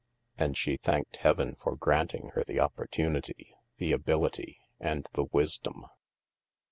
And she thanked Heaven for granting her the op portunity, the ability, and the wisdom.